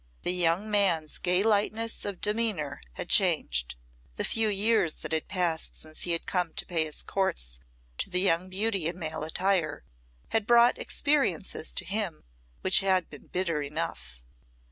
The young man's gay lightness of demeanour had changed. The few years that had passed since he had come to pay his courts to the young beauty in male attire, had brought experiences to him which had been bitter enough.